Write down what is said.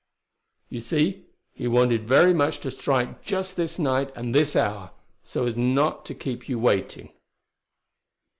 You see, he wanted very much to strike just this night and this hour, so as not to keep you waiting."